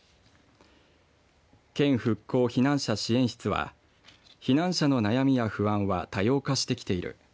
県復興・避難者支援室は避難者の悩みや不安は多様化してきている。